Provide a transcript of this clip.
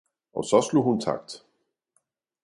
«« Og saa slog hun Takt.